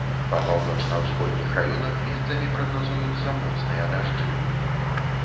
Па паўночна-ўсходніх раёнах месцамі прагназуюцца моцныя дажджы.